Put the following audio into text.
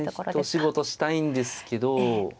一仕事したいんですけど